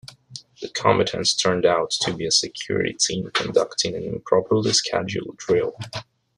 The combatants turned out to be a security team conducting an improperly scheduled drill.